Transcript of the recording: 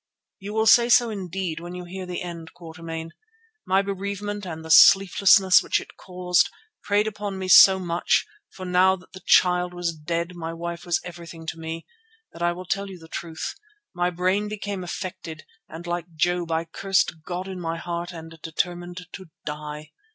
"You will say so indeed when you hear the end, Quatermain. My bereavement and the sleeplessness which it caused preyed upon me so much, for now that the child was dead my wife was everything to me, that, I will tell you the truth, my brain became affected and like Job I cursed God in my heart and determined to die.